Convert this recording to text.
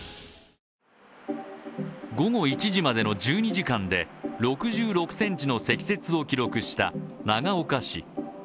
午後１時までの１２時間で６６ｃｍの積雪を記録した長岡市。